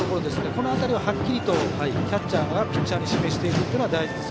その辺りははっきりキャッチャーがピッチャーに示すのが大事です。